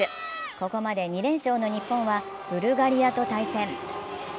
ここまで２連勝の日本はブルガリアと対戦。